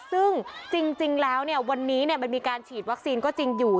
ซึ่งจริงแล้ววันนี้มันมีการฉีดวัคซีนก็จริงอยู่